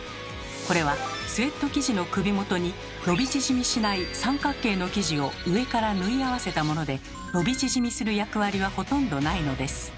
これはスウェット生地の首元に伸び縮みしない三角形の生地を上から縫い合わせたもので伸び縮みする役割はほとんどないのです。